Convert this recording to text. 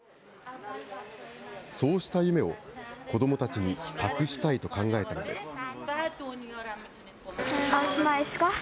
そうした夢を、子どもたちに託したいと考えたのです。